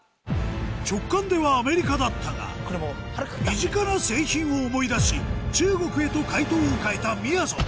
直感ではアメリカだったが身近な製品を思い出し中国へと解答を変えたみやぞん